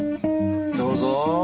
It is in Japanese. どうぞ。